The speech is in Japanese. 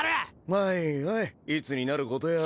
はいはいいつになることやら。